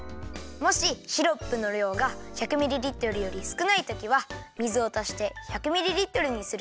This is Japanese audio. もしシロップのりょうが１００ミリリットルよりすくないときは水をたして１００ミリリットルにするよ。